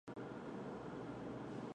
位于板桥区南部。